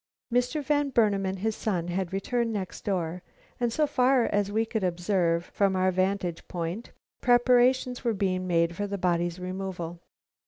Mr. Van Burnam and his son had returned next door, and so far as we could observe from our vantage point, preparations were being made for the body's removal.